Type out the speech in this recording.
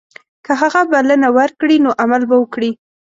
که هغه بلنه ورکړي نو عمل به وکړي.